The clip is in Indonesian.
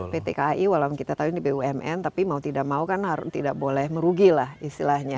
pt kai walau kita tahu ini bumn tapi mau tidak mau kan tidak boleh merugi lah istilahnya